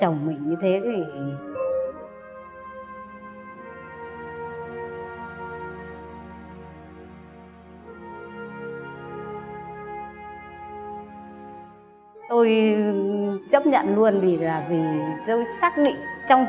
sau này anh về để trở thành người tốt